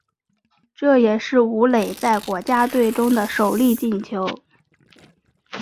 这也是武磊在国家队中的首粒进球。